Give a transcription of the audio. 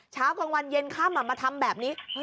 เช้ากลางวันเย็นค่ำมาทำแบบนี้